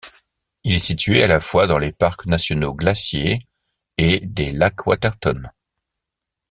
Il est situé à la fois dans les parcs nationaux Glacier et des Lacs-Waterton.